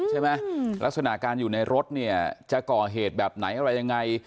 ลักษณะการอยู่ในรถเนี่ยจะก่อเหตุแบบไหนอะไรยังไง